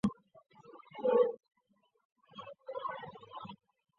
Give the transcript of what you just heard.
帚状香茶菜为唇形科香茶菜属下的一个种。